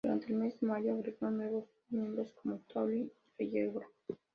Durante el mes de mayo, agregaron nuevos miembros como Taurus y La Hiedra.